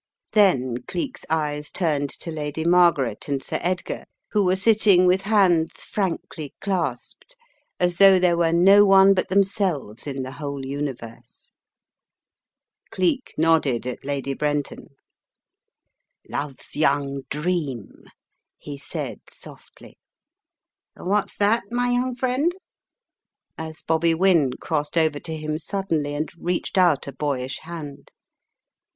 Then Cleek's eyes turned to Lady Margaret and Sir Edgar, who were sitting with hands frankly clasped as though there were no one but themselves in the whole universe. Cleek nodded at Lady Brenton. "Love's young dream," he said, softly. "What's that, my young friend?" as Bobby Wynne crossed over to him suddenly and reached out a boyish hand.